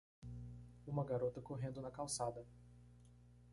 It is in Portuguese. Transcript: Uma garota correndo na calçada.